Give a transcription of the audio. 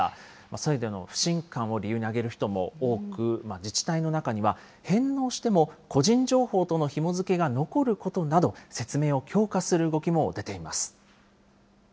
制度への不信感を理由に挙げる人が多く、自治体の中には返納しても個人情報とのひも付けが残ることなど、説明を強化する動きも出ています。